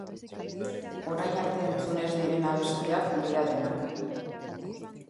Orain arte entzun ez diren abestiak dira denak.